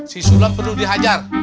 si sulam perlu dihajar